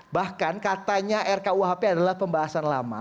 bahkan katanya rkuhp adalah pembahasan lama